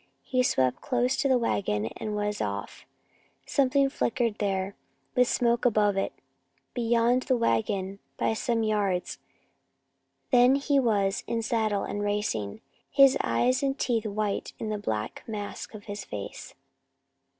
He swept close to the wagon and was off. Something flickered there, with smoke above it, beyond the wagon by some yards. Then he was in saddle and racing again, his eyes and teeth white in the black mask of his face.